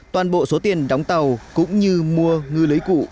toàn bộ số tiền đóng tàu cũng như mua ngư lưới cụ